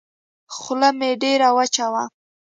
خوله مې ډېره وچه وه.